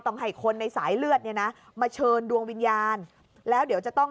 ต้องให้คนในสายเลือดเนี่ยนะมาเชิญดวงวิญญาณแล้วเดี๋ยวจะต้อง